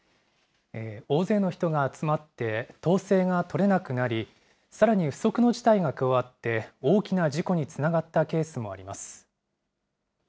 大勢の人が集まって統制が取れなくなり、さらに不測の事態が加わって、大きな事故につながったケースもあります。